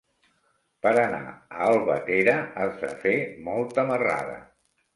Per anar a Albatera has de fer molta marrada.